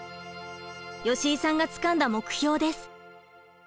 吉井さんがつかんだ目標です。